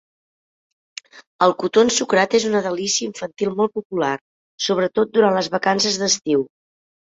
El cotó ensucrat és una delícia infantil molt popular, sobretot durant les vacances d'estiu.